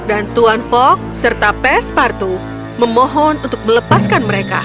dan tuan fogg serta pespartu memohon untuk melepaskan mereka